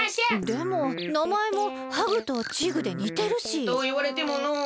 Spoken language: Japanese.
でもなまえも「ハグ」と「チグ」でにてるし。といわれてものう。